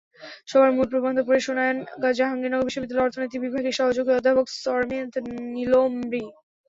সভায় মূল প্রবন্ধ পড়ে শোনান জাহাঙ্গীরনগর বিশ্ববিদ্যালয়ের অর্থনীতি বিভাগের সহযোগী অধ্যাপক শরমিন্দ নিলোর্মী।